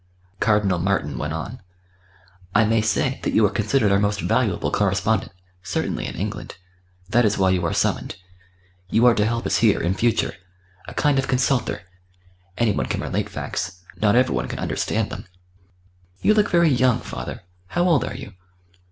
Cardinal Martin went on. "I may say that you are considered our most valuable correspondent certainly in England. That is why you are summoned. You are to help us here in future a kind of consultor: any one can relate facts; not every one can understand them.... You look very young, father. How old are you?"